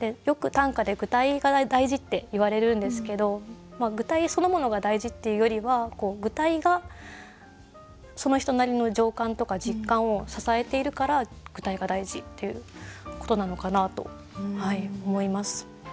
よく短歌で具体が大事っていわれるんですけど具体そのものが大事っていうよりは具体がその人なりの情感とか実感を支えているから具体が大事ということなのかなと思います。